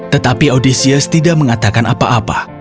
tetapi audisius tidak mengatakan apa apa